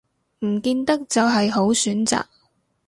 唔見得就係好選擇